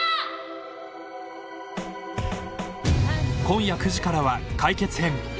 ［今夜９時からは解決編］